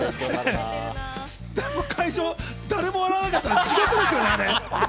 でも会場、誰も笑わなかったら地獄ですよね。